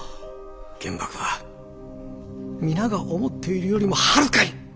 原爆は皆が思っているよりもはるかに！